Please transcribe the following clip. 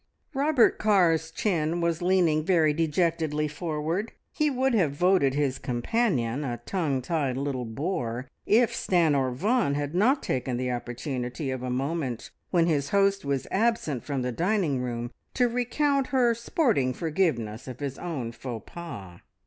Robert Carr's chin was leaning very dejectedly forward; he would have voted his companion a tongue tied little bore if Stanor Vaughan had not taken the opportunity of a moment when his host was absent from the dining room to recount her "sporting" forgiveness of his own faux pas.